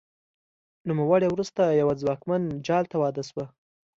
نوموړې وروسته یوه ځواکمن جال ته واده شوه